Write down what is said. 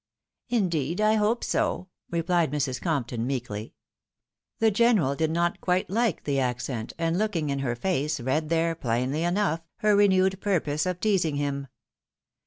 " Indeed I hope so," replied Mrs. Compton, meekly. The general did not quite like the accent, and looking in her face, read there, plainly enough, her renewed purpose of teasing him.